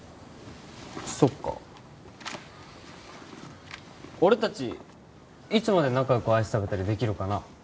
そっか俺達いつまで仲よくアイス食べたりできるかな？